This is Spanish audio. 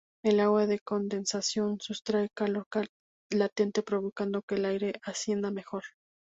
El agua de condensación sustrae calor latente, provocando que el aire ascienda mejor.